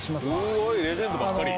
すごいレジェンドばっかり。